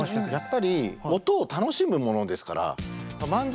やっぱり音を楽しむものですから。